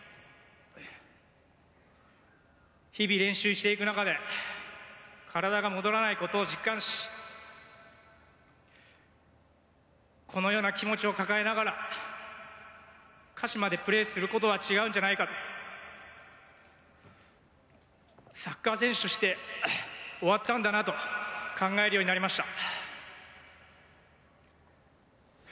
日々練習していく中で体が戻らない事を実感しこのような気持ちを抱えながら鹿島でプレーする事は違うんじゃないかとサッカー選手として終わったんだなと考えるようになりました。